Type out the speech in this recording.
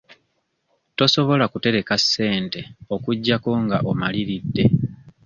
Tosobola kutereka ssente okuggyako nga omaliridde.